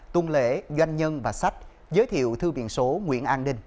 tung lễ doanh nhân và sách giới thiệu thư biện số nguyễn an ninh